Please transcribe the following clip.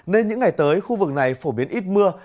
nên những ngày tới khu vực này phổ biến ít mưa